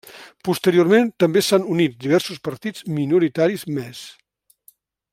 Posteriorment, també s'han unit diversos partits minoritaris més.